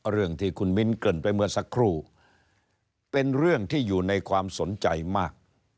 เรื่องที่คุณมิ้นเกริ่นไปเมื่อสักครู่เป็นเรื่องที่อยู่ในความสนใจมาก